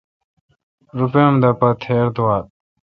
روپے اؙم دہ پہ تھیر دوال۔